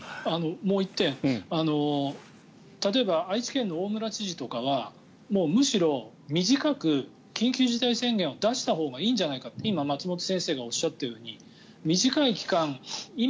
もう１点例えば、愛知県の大村知事とかはもうむしろ、短く緊急事態宣言を出したほうがいいんじゃないかって今、松本先生がおっしゃったように短い期間